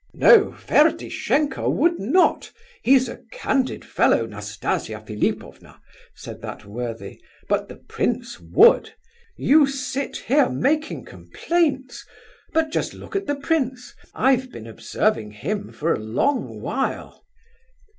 "No, Ferdishenko would not; he is a candid fellow, Nastasia Philipovna," said that worthy. "But the prince would. You sit here making complaints, but just look at the prince. I've been observing him for a long while."